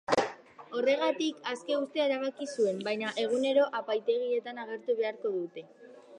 Horregatik, aske uztea erabaki zuen, baina egunero epaitegietan agertu beharko dute.